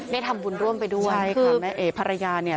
ได้ทำบุญร่วมไปด้วยใช่ค่ะแม่เอ๋ภรรยาเนี่ย